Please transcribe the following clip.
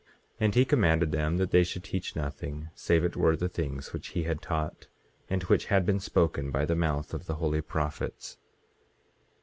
18:19 And he commanded them that they should teach nothing save it were the things which he had taught, and which had been spoken by the mouth of the holy prophets.